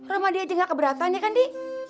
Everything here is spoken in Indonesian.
ramadhani aja gak keberatan ya kan di